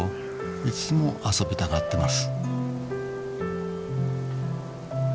いつも遊びたがってます。